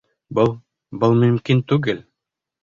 Был... был мөмкин түгел.